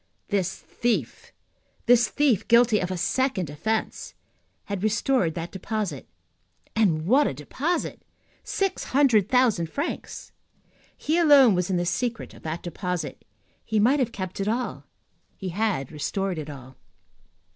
This thief, this thief guilty of a second offence, had restored that deposit. And what a deposit! Six hundred thousand francs. He alone was in the secret of that deposit. He might have kept it all, he had restored it all.